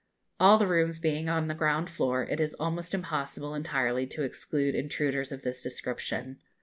All the rooms being on the ground floor, it is almost impossible entirely to exclude intruders of this description.